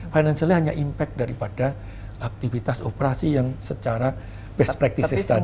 financialnya hanya impact daripada aktivitas operasi yang secara best practices tadi